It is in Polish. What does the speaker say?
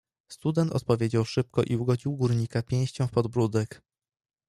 "Student odpowiedział szybko i ugodził górnika pięścią w podbródek."